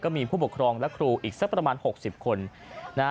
มีผู้ปกครองและครูอีกสักประมาณ๖๐คนนะฮะ